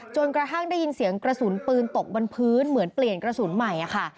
กระทั่งได้ยินเสียงกระสุนปืนตกบนพื้นเหมือนเปลี่ยนกระสุนใหม่ค่ะ